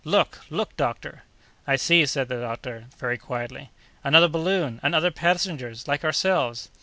Look, look! doctor!" "I see it!" said the doctor, very quietly. "Another balloon! and other passengers, like ourselves!"